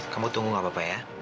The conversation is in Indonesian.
kamu tunggu gak apa apa ya